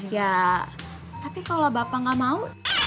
ya tapi kalau bapak nggak mau